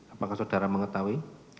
apakah saudara mengetahui